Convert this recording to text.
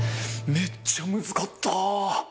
めっちゃムズかった。